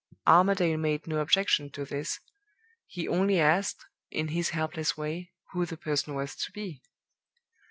Armadale made no objection to this; he only asked, in his helpless way, who the person was to be?